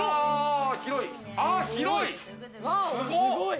広い！